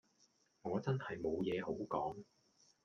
我真係冇嘢好講